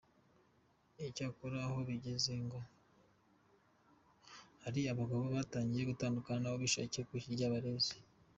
Icyakora aho bigeze, ho ngo hari abagabo batangiye gutandukana n’abo bishakiye kubera Ikiryabarezi.